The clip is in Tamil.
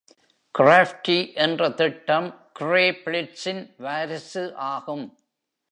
க்ராஃப்டி என்ற திட்டம் க்ரே பிளிட்ஸின் வாரிசு ஆகும்.